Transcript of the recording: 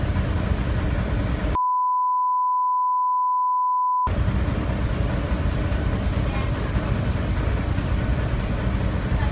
ตอนนี้ก็ไม่มีเวลาให้กลับมาที่นี่